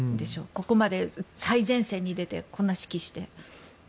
ここまで最前線に出てこんな指揮して。